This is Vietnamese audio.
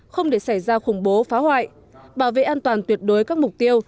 không để xảy ra khủng bố phá hoại bảo vệ an toàn tuyệt đối các mục tiêu